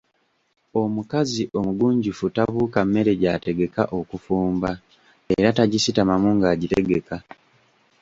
Omukazi omugunjufu tabuuka mmere gy’ategeka okufumba era tagisitamamu ng’agitegeka.